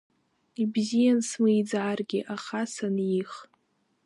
Ибзиан смиӡаргьы, аха саних…